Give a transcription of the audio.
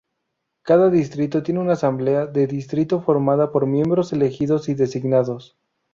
Cada distrito tiene una Asamblea de Distrito formada por miembros elegidos y designados.